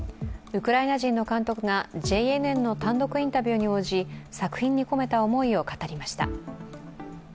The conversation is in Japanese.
ウクライナ人の監督がＪＮＮの単独インタビューに応じ作品に込めた思いを語りました。